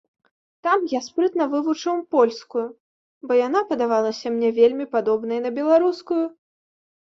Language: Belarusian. Там я спрытна вывучыў польскую, бо яна падавалася мне вельмі падобнай на беларускую.